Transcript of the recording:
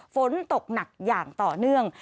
ฝนตกหนักอย่างต่อเนื่อง